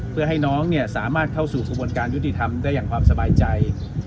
เพื่อให้น้องสามารถเข้าสู่กระบวนการยุติธรรมได้อย่างความสบายใจ